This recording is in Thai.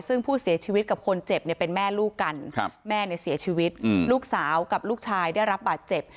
ซึ่งผู้เสียชีวิตกับคนเจ็บเนี่ยเป็นแม่ลูกกันแม่เนี่ยเสียชีวิตลูกสาวกับลูกชายได้รับบาดเจ็บ